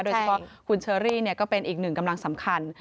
โดยเฉพาะคุณเชอรี่ก็เป็นอีกหนึ่งกำลังสำคัญ